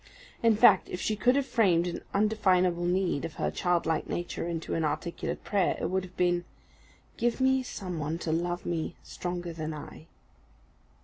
In fact, if she could have framed the undefinable need of her childlike nature into an articulate prayer, it would have been "Give me some one to love me stronger than I."